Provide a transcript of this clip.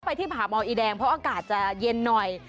ที่ผ่าหมออีแดงเพราะอากาศจะเย็นหน่อย